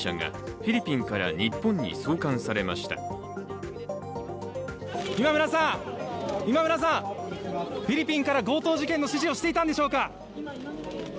フィリピンから強盗事件の指示をしていたんでしょうか？